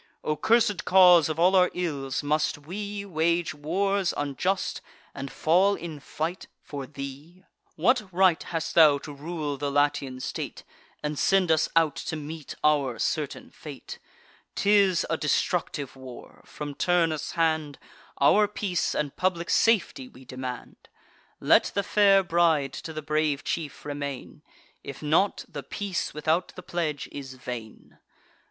O cursed cause of all our ills, must we Wage wars unjust, and fall in fight, for thee! What right hast thou to rule the Latian state, And send us out to meet our certain fate? 'Tis a destructive war: from Turnus' hand Our peace and public safety we demand. Let the fair bride to the brave chief remain; If not, the peace, without the pledge, is vain.